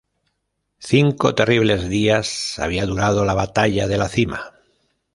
Cinco terribles días había durado la "Batalla de la Cima".